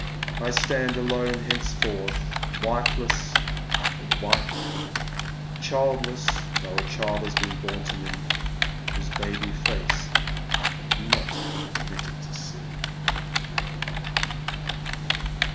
I stand alone henceforth, wifeless with a wife, childless though a child lias been born to me, whose baby face I was not permitted to Gee."